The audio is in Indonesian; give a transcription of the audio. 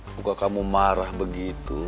muka kamu marah begitu